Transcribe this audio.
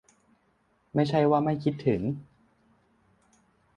ไม่ใช่ว่าไม่คิดถึง